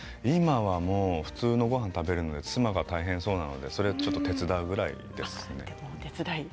今は、もう普通のごはんを食べるので妻が大変そうなのでそれを手伝うくらいですね。